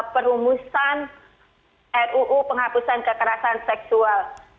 perumusan ruu penghapusan kekerasan seksual